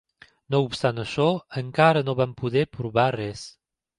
No obstant això, encara no van poder provar res.